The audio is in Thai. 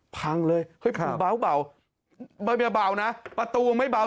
พังเลยเฮ้ยครับเบาเบาเบาเบานะประตูมันไม่เบา